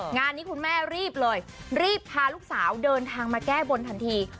งานนี้คุณแม่รีบเลยรีบพาลูกสาวเดินทางมาแก้บนทันที